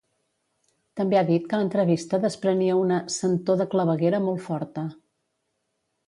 També ha dit que l'entrevista desprenia una "sentor de claveguera molt forta".